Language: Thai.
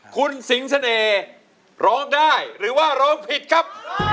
คุณสิงเสน่ห์ร้องได้หรือว่าร้องผิดครับ